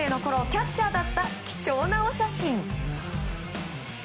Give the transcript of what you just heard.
キャッチャーだった貴重なお写真。